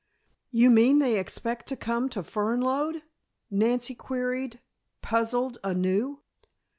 "You mean they expect to come to Fernlode?" Nancy queried, puzzled anew.